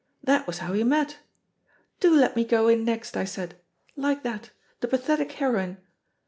That was how we met. T)o let me go in next!' I said. Like that — ^the pathetic heroine.